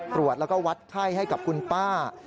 ตรวจแล้วก็วัดไข้ให้กับคุณป้า